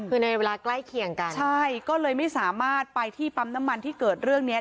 คือในเวลาใกล้เคียงกันใช่ก็เลยไม่สามารถไปที่ปั๊มน้ำมันที่เกิดเรื่องเนี้ย